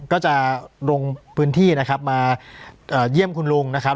ก็จะลงพื้นที่นะครับมาเยี่ยมคุณลุงนะครับ